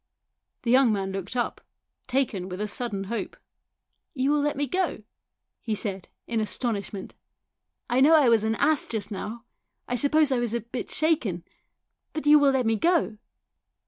The young man looked up, taken with a sudden hope. " You will let me go ?" he said, in astonishment. " I know I was an ass just now. I suppose I was a bit shaken. But you will let me go